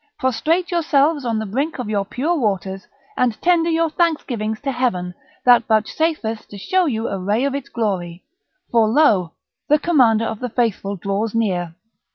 prostrate yourselves on the brink of your pure waters, and tender your thanksgivings to Heaven, that vouchsafeth to show you a ray of its glory; for lo! the Commander of the Faithful draws near."